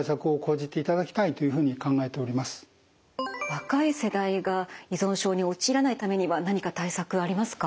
若い世代が依存症に陥らないためには何か対策ありますか？